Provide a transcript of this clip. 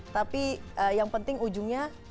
tapi yang penting ujungnya